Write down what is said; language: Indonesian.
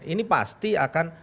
ini pasti akan